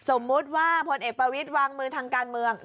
สมมุติว่าพลเอกประวิทย์วางมือทางการเมือง